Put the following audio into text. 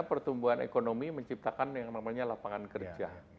pertumbuhan ekonomi menciptakan yang namanya lapangan kerja